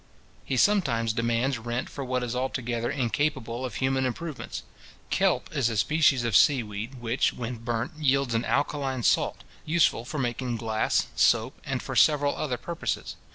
He sometimes demands rent for what is altogether incapable of human improvements. Kelp is a species of sea weed, which, when burnt, yields an alkaline salt, useful for making glass, soap, and for several other purposes.